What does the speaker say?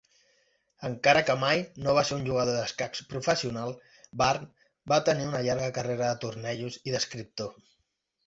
Encara que mai no va ser un jugador d'escacs professional, Burn va tenir una llarga carrera de tornejos i d'escriptor.